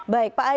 baik pak aidi